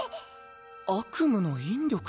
悪夢の引力？